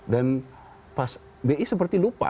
dan pas bi seperti luar biasa